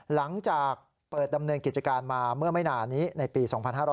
หลังจากเปิดดำเนินกิจการมาเมื่อไม่นานนี้ในปี๒๕๕๙